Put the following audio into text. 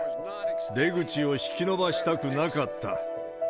出口を引き延ばしたくなかった。